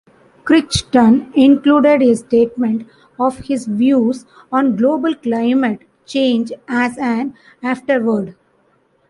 Crichton included a statement of his views on global climate change as an afterword.